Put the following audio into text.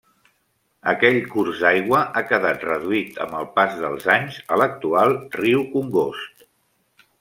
Aquell curs d'aigua ha quedat reduït, amb el pas dels anys, a l'actual riu Congost.